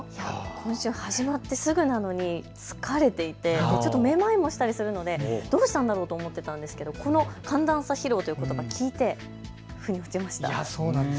今週始まってすぐなのに疲れていて、ちょっとめまいもしたりするのでどうしたんだろうと思っていたんですがこの寒暖差疲労っていうことばを聞いてふに落ちました。